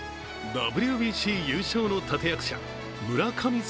ＷＢＣ優勝の立て役者、村神様